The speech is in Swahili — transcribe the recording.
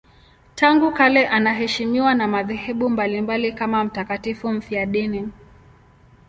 Tangu kale anaheshimiwa na madhehebu mbalimbali kama mtakatifu mfiadini.